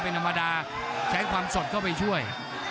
เป็นธรรมดาใช้ความสดเข้าไปช่วย